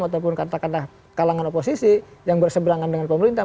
ataupun kata kata kalangan oposisi yang berseberangan dengan pemerintah